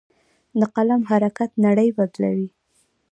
د قلم حرکت نړۍ بدلوي.